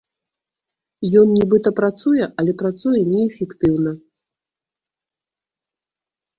Ён нібыта працуе, але працуе неэфектыўна.